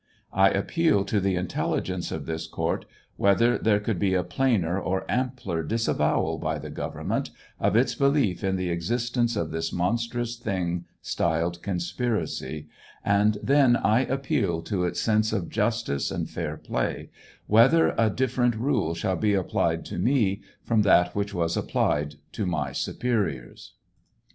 I appeal to the intelligence of this court whether there could be a plainer or ampler disavowal by the government of its belief in the existence of this monstrous thing styled conspiracy ; and then I appeal to its sense of jus tice and fair play, whether a different rule shall be applied to me from that which was applied to my superiors.